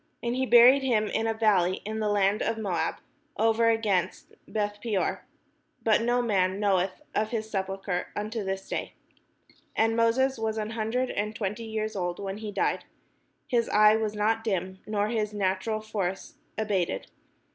And he buried him in a valley in the land of Moab, over against Beth peor : but no man knoweth of his sepulchre unto this day. And Moses was an hundred and twenty years old when he died: his eye was not dim, nor his natural force abated.